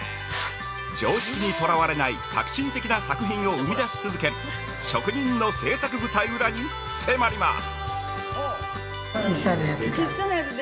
常識にとらわれない革新的な作品を生み出し続ける職人の製作舞台裏に迫ります。